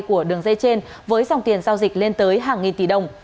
của đường dây trên với dòng tiền giao dịch lên tới hàng nghìn tỷ đồng